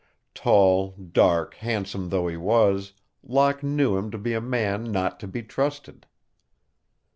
Tall, dark, handsome though he was, Locke knew him to be a man not to be trusted.